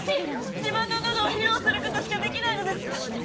自分の喉を披露することしかできないのですが。